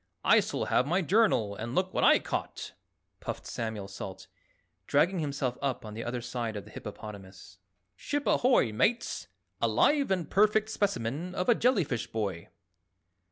I still have my journal, and look what I caught!" puffed Samuel Salt, dragging himself up on the other side of the hippopotamus. "Ship ahoy, Mates, a live and perfect specimen of a jellyfish boy."